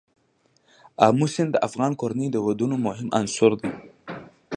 آمو سیند د افغان کورنیو د دودونو مهم عنصر دی.